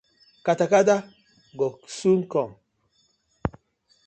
Kata kata go soon kom.